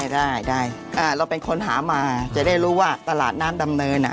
ได้ได้เราเป็นคนหามาจะได้รู้ว่าตลาดน้ำดำเนิน